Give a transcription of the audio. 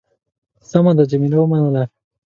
سمه ده. جميله ومنله.